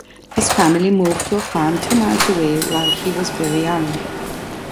His family moved to a farm two miles away while he was very young.